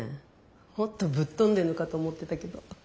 もっとぶっ飛んでんのかと思ってたけど。